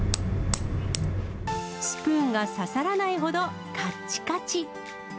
スプーンが刺さらないほどかっちかち。